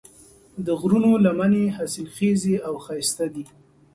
د غرونو لمنې حاصلخیزې او ښایسته دي.